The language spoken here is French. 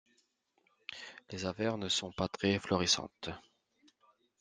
Les affaires ne sont pas très florissantes.